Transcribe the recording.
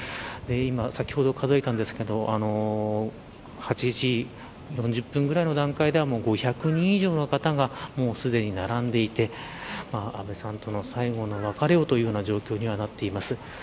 先ほど、数えたんですけど８時４０分ぐらいの段階では５００人以上の方がすでに並んでいて安倍さんとの最後の別れをというような状況にはなっています。